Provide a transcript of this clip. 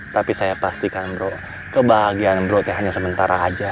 tapi saya pastikan bro kebahagiaan bro t hanya sementara aja